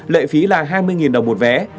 lệ phí là hai mươi đồng một vé